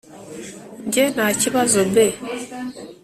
njye: ntakibazo bae!